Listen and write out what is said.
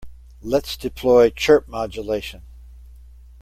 Let's deploy chirp modulation.